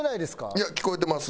いや聞こえてます。